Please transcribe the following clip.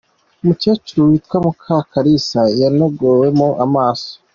Umukecuru witwa Mukakarisa yanogowemo amaso